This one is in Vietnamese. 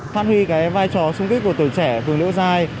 phát huy cái vai trò xung kích của tuổi trẻ phường liễu giai